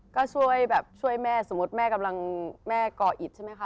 ก็ช่วยแบบช่วยแม่สมมุติแม่กำลังแม่ก่ออิดใช่ไหมคะ